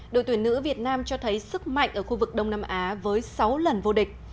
đội tuyển nữ việt nam cho thấy sức mạnh ở khu vực đông nam á với sáu lần vô địch